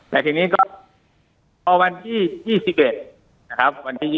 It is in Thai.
และที่นี่ก็วันที่๒๑นะครับวันที่๒๑